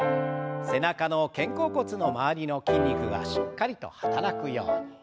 背中の肩甲骨の周りの筋肉がしっかりと働くように。